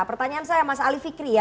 pertanyaan saya mas ali fikri ya